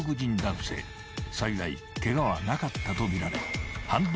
［幸いケガはなかったとみられ］